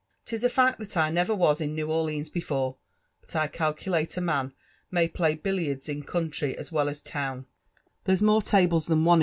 'Tisafact (hat I never was in New Orleans before; but I calculate a man may play billiards in coun(ry as well as town — there's more tablea JONAnUN JBFFEMON .